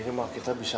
lihat nih ya